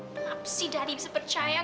kenapa sih dari bisa percaya